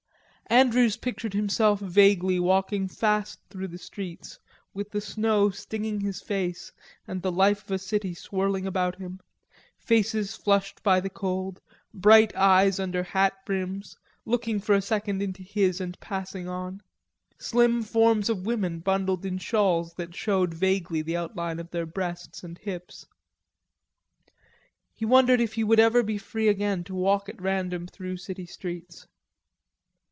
Andrews pictured himself vaguely walking fast through the streets, with the snow stinging his face and the life of a city swirling about him, faces flushed by the cold, bright eyes under hatbrims, looking for a second into his and passing on; slim forms of women bundled in shawls that showed vaguely the outline of their breasts and hips. He wondered if he would ever be free again to walk at random through city streets.